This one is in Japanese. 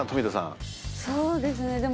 そうですね